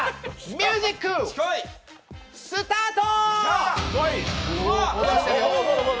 ミュージック、スタート。